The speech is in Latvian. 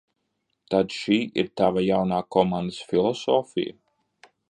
Tad šī ir tava jaunā komandas filosofija?